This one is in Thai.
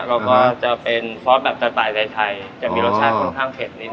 แล้วก็จะเป็นซอสแบบกระต่ายไทยจะมีรสชาติค่อนข้างเผ็ดนิด